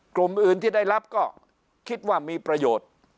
กลุ่มอื่นที่ได้รับก็คิดว่ามีประโยชน์